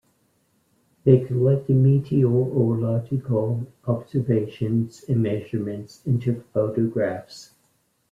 They collected meteorological observations and measurements and took photographs.